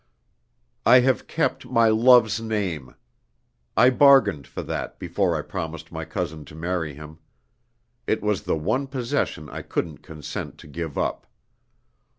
"I have kept my love's name. I bargained for that, before I promised my cousin to marry him. It was the one possession I couldn't consent to give up.